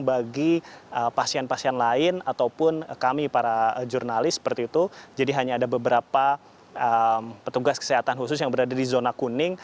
bagi pasien pasien lain ataupun kami para jurnalis seperti itu jadi hanya ada beberapa petugas kesehatan khusus yang berada di zona kuning